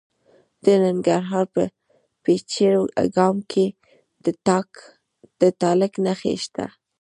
د ننګرهار په پچیر اګام کې د تالک نښې شته.